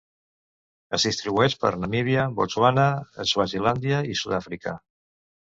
Es distribueix per Namíbia, Botswana, Swazilàndia i Sud-àfrica.